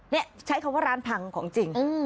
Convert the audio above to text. นี่ใช้คำว่าร้านพังของจริง